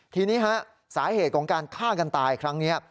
ทีนี้ฮะสาเหตุของการฆ่ากันตายครั้งนี้